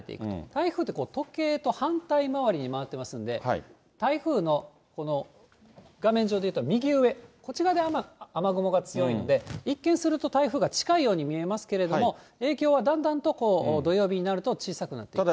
台風ってこう、時計と反対回りに回ってますんで、台風のこの画面上で言うと右上、こちらで雨雲が強いので、一見すると、台風が近いように見えますけれども、影響はだんだんと土曜日になると小さくなっていく。